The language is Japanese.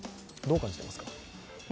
どう感じていますか？